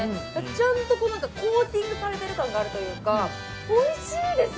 ちゃんとこうコーティングされてる感があるというかおいしいです！